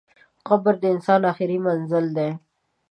قبر د انسان اخري منزل دئ.